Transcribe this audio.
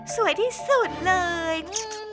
สวยที่สุดเลย